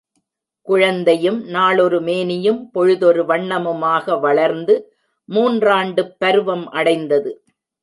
குழந்தையும் நாளொருமேனியும் பொழுதொரு வண்ணமுமாக வளர்ந்து மூன்றாண்டுப்பருவம் அடைந்தது.